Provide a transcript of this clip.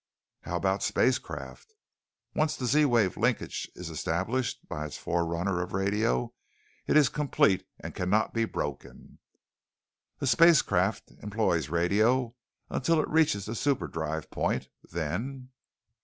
"How about spacecraft?" "Once the Z wave linkage is established by its forerunner of radio, it is complete and can not be broken." "A spacecraft employs radio until it reaches the superdrive point. Then